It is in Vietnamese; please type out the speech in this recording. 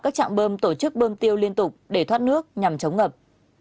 các trạm bơm tổ chức bơm tiêu liên tục để thoát nước nhằm chống ngập